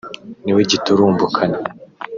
niwe giturumbukana